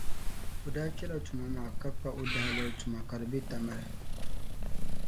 O daa chala tuma maa ka kpa o dahalali tuma ka di be Tamali.